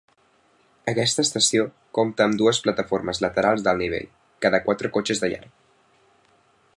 Aquesta estació compta amb dues plataformes laterals d'alt nivell, cada quatre cotxes de llarg.